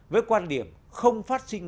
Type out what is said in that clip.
với quan điểm không phát sinh